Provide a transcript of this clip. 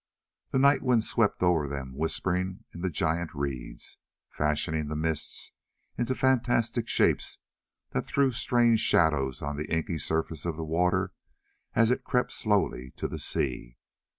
The night wind swept over them whispering in the giant reeds, fashioning the mists into fantastic shapes that threw strange shadows on the inky surface of the water as it crept slowly to the sea.